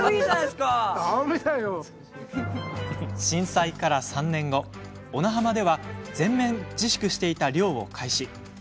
震災から３年後、小名浜では全面自粛していた漁を開始。